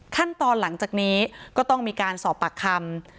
ขั้นตอนหลังจากนี้ก็ต้องมีการสอบปากคำ